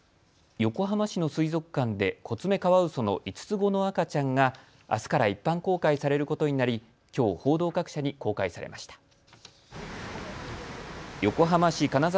横浜市の水族館でコツメカワウソの５つ子の赤ちゃんがあすから一般公開されることになりきょう報道各社に公開されました。